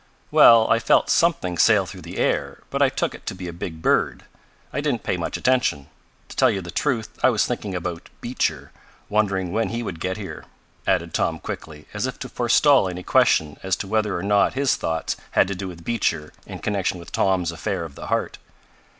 "Well, I felt something sail through the air, but I took it to be a big bird. I didn't pay much attention. To tell you the truth I was thinking about Beecher wondering when he would get here," added Tom quickly as if to forestall any question as to whether or not his thoughts had to do with Beecher in connection with Tom's affair of the heart.